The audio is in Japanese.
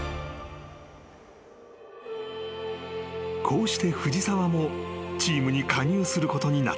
［こうして藤澤もチームに加入することになった］